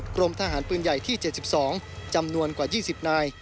กรมทหารปืนใหญ่ที่๗๒จำนวนกว่า๒๐นาย